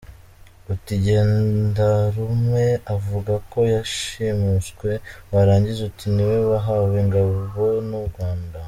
Uti Gendarume uvuga ko yashimuswe, warangiza uti niwe wahawe ingabo n’u Rwanda.